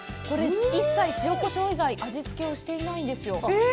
これ、一切塩、こしょう以外味つけをしていないんですよ。